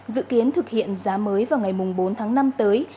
dự kiến thực hiện giá mới vào ngày bốn tháng năm tới